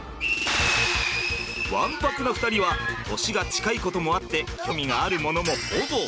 ワンパクな２人は年が近いこともあって興味があるものもほぼ同じ。